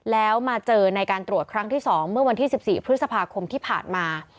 แล้วมาเจอในการตรวจครั้งที่๒เมื่อวันที่๑๔พฤษภาคมที่ผ่านมา